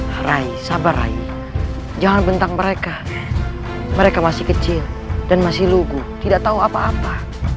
hai rai sabar rai jangan bentang mereka mereka masih kecil dan masih lugu tidak tahu apa apa